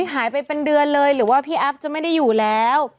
หายไปเป็นเดือนเลยหรือว่าพี่แอฟจะไม่ได้อยู่แล้ว